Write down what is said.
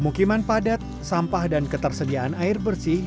pemukiman padat sampah dan ketersediaan air bersih